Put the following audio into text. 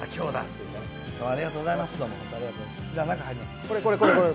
ありがとうございます。